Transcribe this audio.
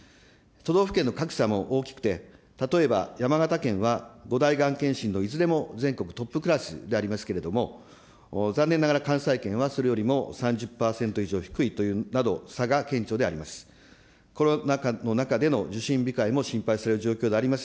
都道府県の格差も大きくて、例えば山形県は５大がん検診のいずれも全国トップクラスでありますけれども、残念ながら関西圏はそれよりも３０％以上低いというなど、差が顕著であります。